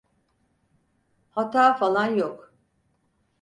Hata falan yok.